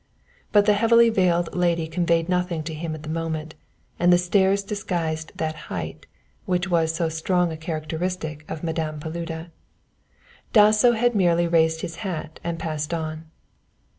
But the heavily veiled lady conveyed nothing to him at the moment, and the stairs disguised the height, which was so strong a characteristic of Madame Paluda. Dasso had merely raised his hat and passed on.